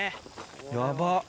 やばっ。